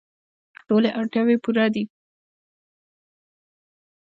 ټولې اړتیاوې یې پوره دي.